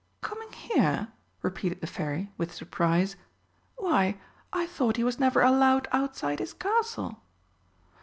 "Coming here?" repeated the Fairy, with surprise. "Why, I thought he was never allowed outside his Castle!"